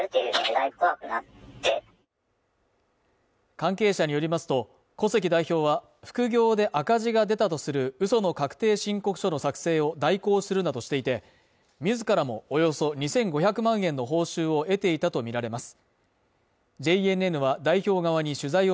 関係者によりますと、古関代表は副業で赤字が出たとするうその確定申告書の作成を代行するなどしていて、自らもおよそ２５００万円の報酬を得ていたとみられます。